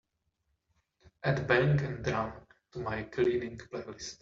add bang a drum to my cleaning playlist